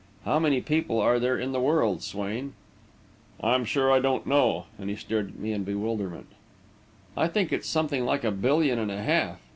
How many people are there in the world, Swain?" "I'm sure I don't know," and he stared at me in bewilderment. "I think it's something like a billion and a half.